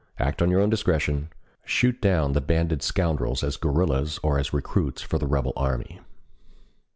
Act on your own discretion. Shoot down the banded scoundrels as guerrillas or as recruits for the rebel army."